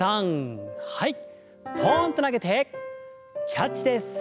ポンと投げてキャッチです。